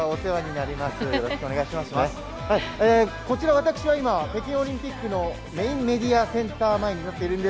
こちら、私は今北京オリンピックのメインメディアセンター前です。